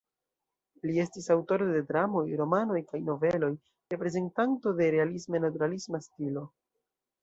Li estis aŭtoro de dramoj, romanoj kaj noveloj, reprezentanto de realisme-naturalisma stilo.